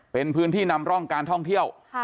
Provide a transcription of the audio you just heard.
เป็นพื้นที่นำร่องการท่องเที่ยว